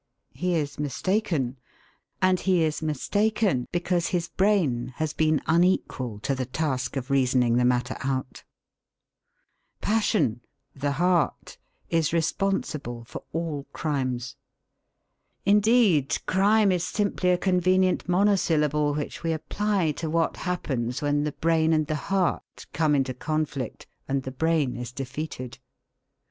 He is mistaken. And he is mistaken because his brain has been unequal to the task of reasoning the matter out. Passion (the heart) is responsible for all crimes. Indeed, crime is simply a convenient monosyllable which we apply to what happens when the brain and the heart come into conflict and the brain is defeated.